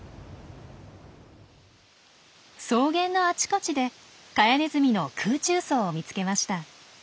草原のあちこちでカヤネズミの空中巣を見つけました。